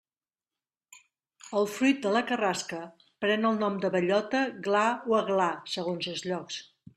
El fruit de la carrasca pren el nom de bellota, gla o aglà, segons els llocs.